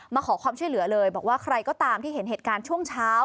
มาขอความช่วยเหลือเลยบอกว่าใครก็ตามที่เห็นเหตุการณ์ช่วงเช้า